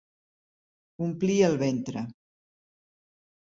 Omplir el ventre.